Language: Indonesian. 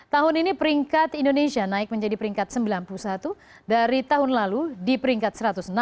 tahun ini peringkat indonesia naik menjadi peringkat sembilan puluh satu dari tahun lalu di peringkat satu ratus enam puluh